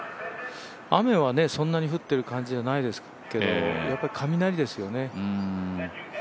雨はそんなに降ってる感じじゃないですけれども、やっぱり雷ですよね。